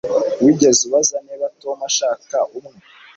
Wigeze ubaza niba Tom ashaka umwe